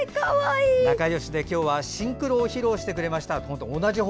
仲よしで今日はシンクロを披露してくれました。